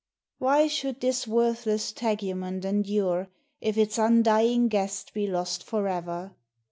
Why should this worthless tegument endure, If its undying guest be lost forever